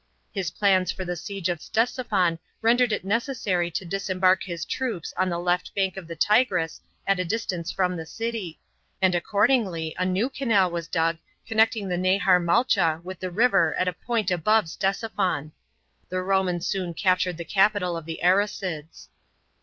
His plans for the siege of Ctesiphon rendered it necessary to disembark his troops on the left bank of the Tigris at a distance from the city, and accordingly a new canal was dug connecting the Nahnr malcha with the river at a point above Ctesiphon. The Romans soon captured the capital of the Arsacids.